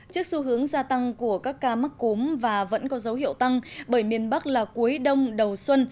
trước xu hướng gia tăng của các ca mắc cúm và vẫn có dấu hiệu tăng bởi miền bắc là cuối đông đầu xuân